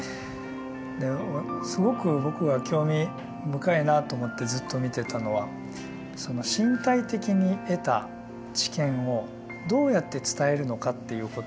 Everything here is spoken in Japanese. すごく僕が興味深いなと思ってずっと見てたのはその身体的に得た知見をどうやって伝えるのかっていうこと。